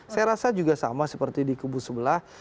saya rasa juga sama seperti di kubu sebelah